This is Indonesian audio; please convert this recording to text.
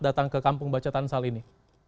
datang ke kampung baca tansal ini